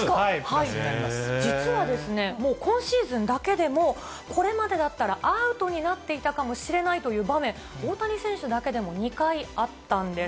実はですね、もう今シーズンだけでも、これまでだったらアウトになってしまったかもしれないという場面、大谷選手だけでも２回あったんです。